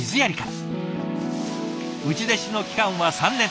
内弟子の期間は３年。